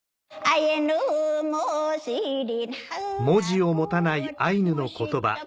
文字を持たないアイヌの言葉